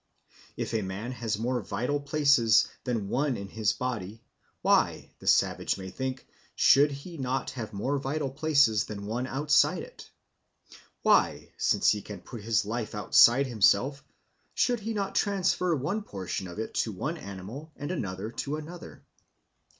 If a man has more vital places than one in his body, why, the savage may think, should he not have more vital places than one outside it? Why, since he can put his life outside himself, should he not transfer one portion of it to one animal and another to another?